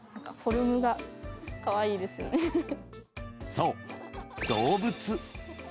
そう、動物。